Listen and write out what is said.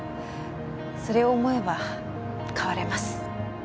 それを思えば変われます。